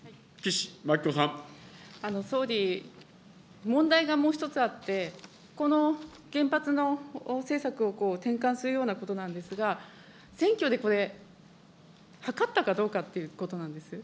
総理、問題がもう一つあって、この原発の政策を転換するようなことなんですが、選挙でこれ、はかったかどうかということなんです。